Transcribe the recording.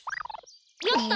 よっと！